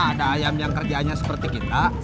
ada ayam yang kerjanya seperti kita